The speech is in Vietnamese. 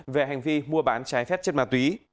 về hành vi mua bán trái phép chất ma túy